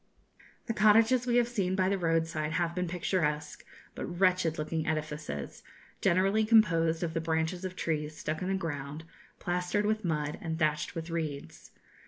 The cottages we have seen by the roadside have been picturesque but wretched looking edifices, generally composed of the branches of trees stuck in the ground, plastered with mud and thatched with reeds.